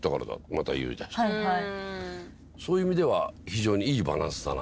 また言い出してそういう意味では非常にいいバランスだな。